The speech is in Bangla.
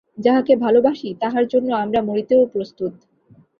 যাহাকে ভালবাসি, তাহার জন্য আমরা মরিতেও প্রস্তুত।